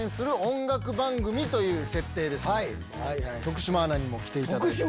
徳島アナにも来ていただいて。